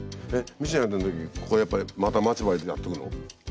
ミシン当てる時ここやっぱりまた待ち針でやっとくの？